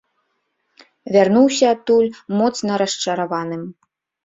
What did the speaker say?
Вярнуўся адтуль моцна расчараваным.